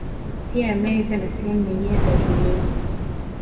Pia Amerika na sehemu nyingine za Dunia